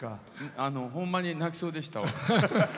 ほんまに泣きそうでしたわ。